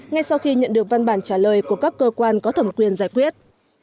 ngay sau khi nhận được văn bản trả lời của các cơ quan có thẩm quyền giải quyết